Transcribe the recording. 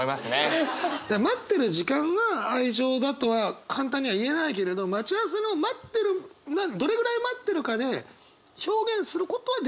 待ってる時間は愛情だとは簡単には言えないけれど待ち合わせの待ってるどれぐらい待ってるかで表現することはできるかもしれないね。